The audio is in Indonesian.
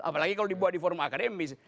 apalagi kalau dibuat di forum akademis